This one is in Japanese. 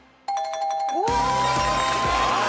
すごい！